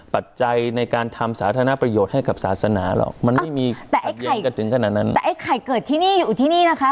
ปัจจัยในการทำสาธารณาประโยชน์ให้กับศาสนาหรอกมันไม่มีแต่ไอ้ใครเกิดที่นี่อยู่ที่นี่นะคะ